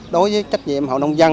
đối với trách nhiệm hậu nông gia